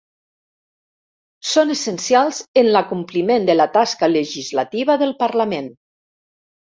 Són essencials en l'acompliment de la tasca legislativa del Parlament.